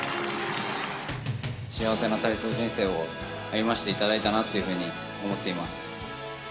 幸せな体操人生を歩ませていただいたなっていうふうに思っています。